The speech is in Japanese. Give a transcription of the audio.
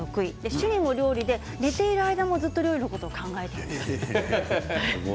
趣味も料理で寝ている間もずっと料理のことを考えているそうですね。